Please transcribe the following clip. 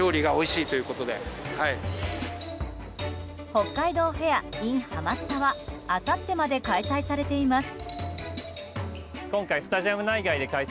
北海道フェアｉｎハマスタはあさってまで開催されています。